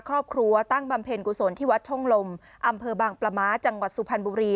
ครอบครัวตั้งบำเพ็ญกุศลที่วัดช่องลมอำเภอบางปลาม้าจังหวัดสุพรรณบุรี